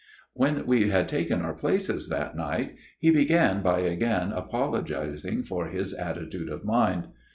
When we had taken our places that night, he began by again apologizing for his attitude of mind.